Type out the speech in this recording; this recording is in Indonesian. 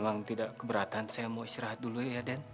memang tidak keberatan saya mau istirahat dulu ya den